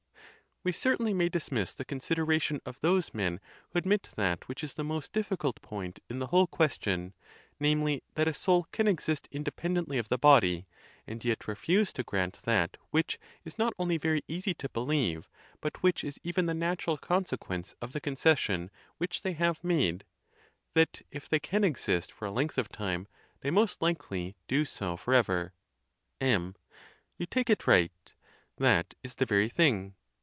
We certainly may dismiss the consideration of those men who admit that which is the most difficult point in the whole question, namely, that a soul can exist inde pendently of the body, and yet refuse to grant that which is not only very easy to believe, but which is even the natural consequence of the concession which they have made—that if they can exist for a length of time, they most likely do so forever. M. You take it right; that is the very thing.